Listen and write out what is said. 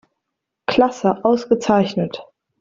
Klasse“ ausgezeichnet.